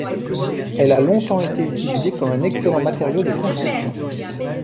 Elle a longtemps été utilisée comme un excellent matériau de construction.